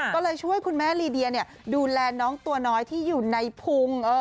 ก็เลยช่วยคุณแม่ลีเดียดูแลน้องตัวน้อยที่อยู่ในพุง